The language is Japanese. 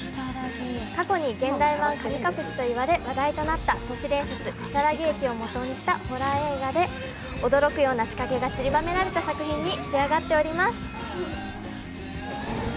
◆過去に、現代版神隠しと言われ話題になった都市伝説「きさらぎ駅」をもとにしたホラー映画で驚くような仕掛けが散りばめられた作品に仕上がっております。